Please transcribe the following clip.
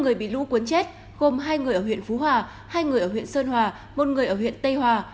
một người bị lũ cuốn chết gồm hai người ở huyện phú hòa hai người ở huyện sơn hòa một người ở huyện tây hòa